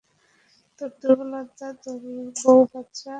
তোর দুর্বলতা তোর বউ বাচ্চা, আর ওদের নতুন দুর্বলতা এ।